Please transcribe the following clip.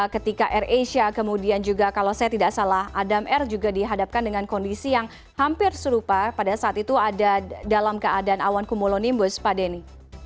ketika air asia kemudian juga kalau saya tidak salah adam air juga dihadapkan dengan kondisi yang hampir serupa pada saat itu ada dalam keadaan awan kumulonimbus pak denny